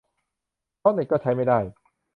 เพราะเน็ตก็ใช้ไม่ได้